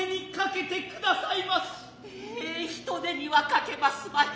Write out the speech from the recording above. ええ人手には掛けますまい。